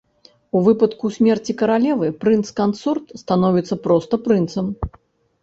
У выпадку смерці каралевы прынц-кансорт становіцца проста прынцам.